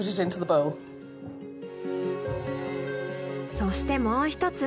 そしてもう一つ。